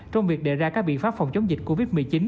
trong việc đề ra các biện pháp phòng chống dịch covid một mươi chín